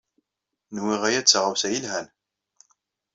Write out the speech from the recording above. Nwiɣ aya d taɣawsa yelhan.